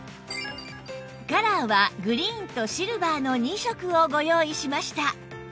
カラーはグリーンとシルバーの２色をご用意しました